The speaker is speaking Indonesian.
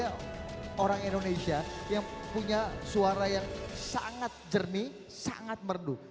saya pikir dia orang indonesia yang punya suara yang sangat jernih sangat merdu